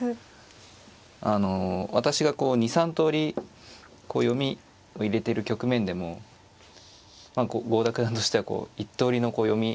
あの私がこう２３通り読みを入れてる局面でも郷田九段としては１通りの読み